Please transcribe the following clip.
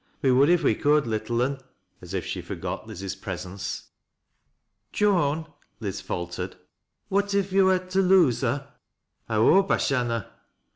We would if we could, little un," — as if she forgot Liz's presence. " Joan," Liz faltered, " what if yo were to lose her ?"" I hope I shanna.